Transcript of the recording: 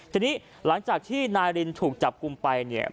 ทีนี้หลังจากที่นายรินถูกจับกลุ่มไปเนี่ย